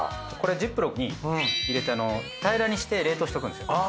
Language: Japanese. これジップロックに入れて平らにして冷凍しとくんですよ。